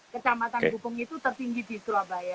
kecamatan gupung itu tertinggi di surabaya